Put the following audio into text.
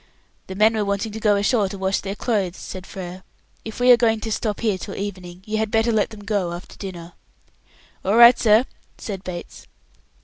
"The men were wanting to go ashore to wash their clothes," said Frere. "If we are to stop here till evening, you had better let them go after dinner." "All right, sir," said Bates.